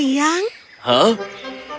kau yang penyayang